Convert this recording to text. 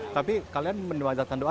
tapi kalian menjelaskan doa